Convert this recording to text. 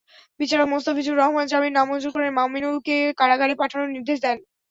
বিচারক মোস্তাফিজুর রহমান জামিন নামঞ্জুর করে মমিনুলকে কারাগারে পাঠানোর নির্দেশ দেন।